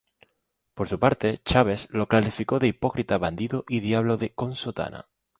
Por su parte, Chávez, lo calificó de "hipócrita, bandido y diablo con sotana".